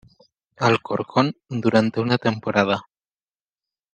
Alcorcón durante una temporada.